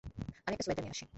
আমি একটা সোয়েটার নিয়ে আসি।